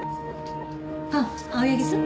あっ青柳さん。